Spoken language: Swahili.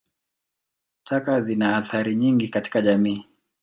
Taka zina athari nyingi katika jamii.